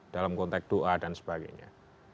dalam konteks doa dan sebagainya